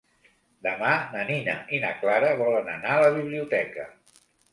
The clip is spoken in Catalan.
Demà na Nina i na Clara volen anar a la biblioteca.